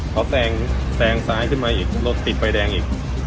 เขาแซงซ้ายขึ้นมาอีกรถติดไฟแดงอีก